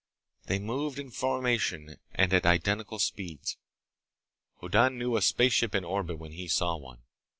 They moved in formation and at identical speeds. Hoddan knew a spaceship in orbit when he saw one.